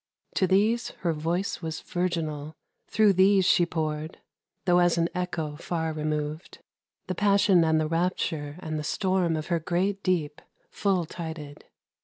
To these her voice was virginal, thro' these She poured, tho' as an echo far removed, The passion and the rapture and the storm Of her great deep, full tided.